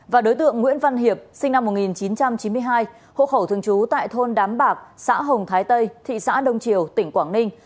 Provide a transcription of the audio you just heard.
và đối tượng nguyễn văn hiệp sinh năm một nghìn chín trăm chín mươi hai hộ khẩu thường trú tại thôn đám bạc xã hồng thái tây thị xã đông triều tỉnh quảng ninh